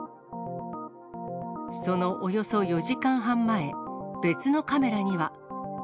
そのおよそ４時間半前、別のカメラには。